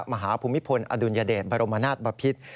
มหาภูมิพลอยบรมณาตบพิษ